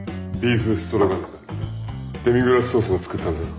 デミグラスソースも作ったんだぞ。